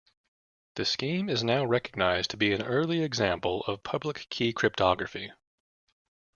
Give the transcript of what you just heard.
The scheme is now recognized to be an early example of public key cryptography.